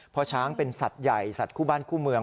เพราะช้างเป็นสัตว์ใหญ่สัตว์คู่บ้านคู่เมือง